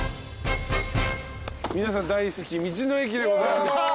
皆さん大好き道の駅でございます。